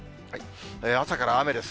朝から雨です。